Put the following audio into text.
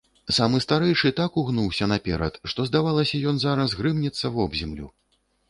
Самы старэйшы так угнуўся наперад, што здавалася, ён зараз грымнецца вобземлю.